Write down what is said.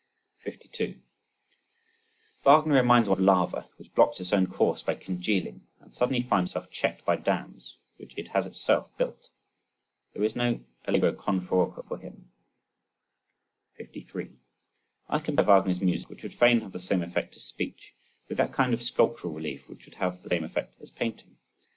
52. Wagner reminds one of lava which blocks its own course by congealing, and suddenly finds itself checked by dams which it has itself built. There is no Allegro con fuoco for him. 53. I compare Wagner's music, which would fain have the same effect as speech, with that kind of sculptural relief which would have the same effect as painting.